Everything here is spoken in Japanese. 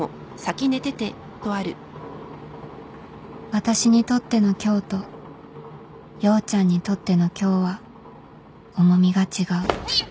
私にとっての今日と陽ちゃんにとっての今日は重みが違ううっ。